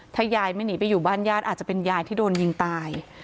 ถ้ายายไม่หนีไปอยู่บ้านญาติอาจจะเป็นยายที่โดนยิงตาย